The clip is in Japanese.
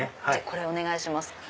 これお願いします。